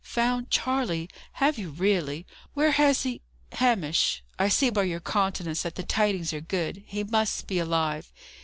"Found Charley! Have you really? Where has he Hamish, I see by your countenance that the tidings are good. He must be alive."